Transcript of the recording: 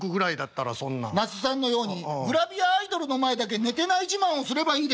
「なすさんのようにグラビアアイドルの前だけ寝てない自慢をすればいいでしょうか」。